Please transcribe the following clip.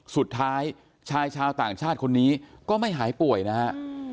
สุดท้ายชายชาวต่างชาติคนนี้ก็ไม่หายป่วยนะฮะ